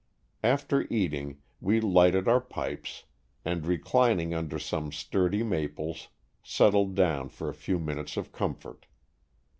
After eating, we lighted our pipes, and reclining under some sturdy maples, settled down for a few minutes of comfort.